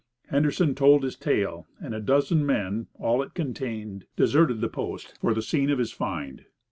Henderson told his tale, and a dozen men (all it contained) deserted the Post for the scene of his find.